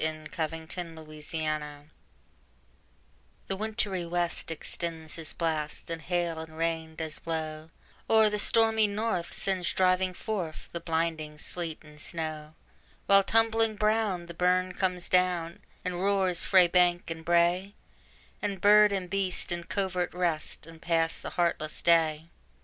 1781 Winter: A Dirge The wintry west extends his blast, And hail and rain does blaw; Or the stormy north sends driving forth The blinding sleet and snaw: While, tumbling brown, the burn comes down, And roars frae bank to brae; And bird and beast in covert rest, And pass the heartless day.